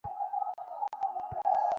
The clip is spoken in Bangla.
সুচরিতা কহিল, হাঁ, আমি হিন্দু।